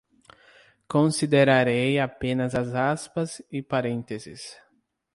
Considerarei apenas as aspas e parênteses